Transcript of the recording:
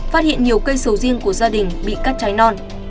phát hiện nhiều cây sầu riêng của gia đình bị cắt cháy non